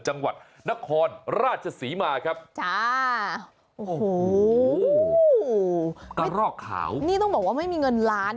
จังหวัดนครราชศรีมาครับจ้าโอ้โหกระรอกขาวนี่ต้องบอกว่าไม่มีเงินล้าน